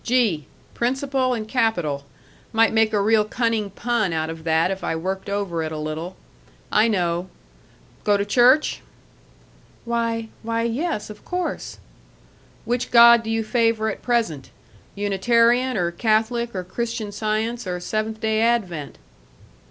Gee! principal and capital might make a real cunning pun out of that if I worked over it a little. I know.... Go to church?" "Why why, yes, of course." "Which god do you favor at present Unitarian or Catholic or Christian Science or Seventh Day Advent?"